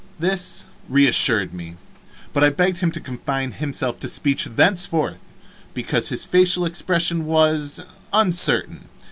This reassured me, but I begged him to confine himself to speech thenceforth, because his facial expression was uncertain.